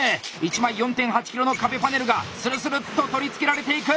１枚４．８ｋｇの壁パネルがスルスルッと取り付けられていく！